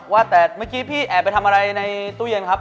ว่าแต่เมื่อกี้พี่แอบไปทำอะไรในตู้เย็นครับ